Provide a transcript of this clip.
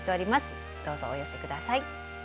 どうぞお寄せ下さい。